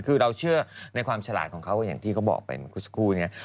คือเราเชื่อในความฉลาดของเขาอย่างที่เขาบอกไปเมื่อสักครู่เนี่ย